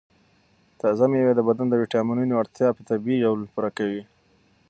تازه مېوې د بدن د ویټامینونو اړتیا په طبیعي ډول پوره کوي.